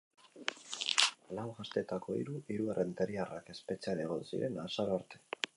Lau gazteetako hiru, hiru errenteriarrak, espetxean egon ziren azaro arte.